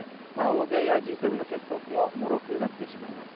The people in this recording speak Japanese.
欧米やＧ７の結束ももろくなってしまいます。